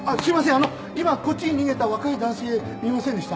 あの今こっちに逃げた若い男性見ませんでした？